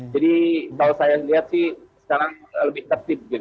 jadi kalau saya lihat sih sekarang lebih aktif